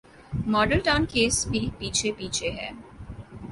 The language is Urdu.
ماڈل ٹاؤن کیس بھی پیچھے پیچھے ہے۔